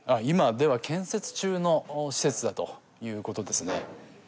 今では建設中の施設だということですね